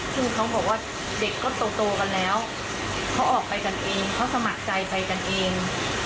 ซึ่งเขาบอกว่าเด็กก็โตกันแล้วเขาออกไปกันเองเขาสมัครใจไปกันเอง